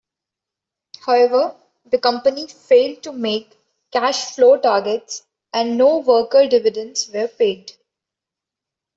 However, the company failed to make cash-flow targets, and no worker dividends were paid.